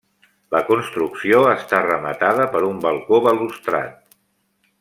La construcció està rematada per un balcó balustrat.